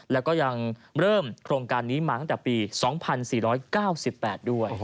แล้วก็ยังเริ่มโครงการนี้มาตั้งแต่ปี๒๔๙๘ด้วย